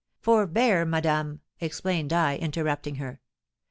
'Forbear, madame!' exclaimed I, interrupting her.